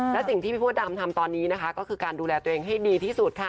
และสิ่งที่พี่มดดำทำตอนนี้นะคะก็คือการดูแลตัวเองให้ดีที่สุดค่ะ